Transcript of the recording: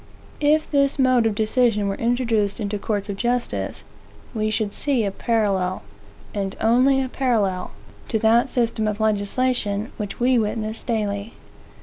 If this mode of decision were introduced into courts of justice, we should see a parallel, and only a parallel, to that system of legislation which we witness daily.